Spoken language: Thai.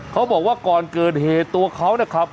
เขาบอกว่าก่อนเกิดเหตุตัวเขานะครับ